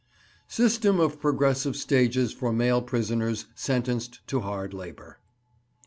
SYSTEM OF PROGRESSIVE STAGES FOR MALE PRISONERS SENTENCED TO HARD LABOUR.